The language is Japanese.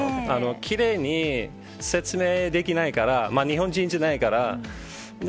きれいに説明できないから、日本人じゃないから。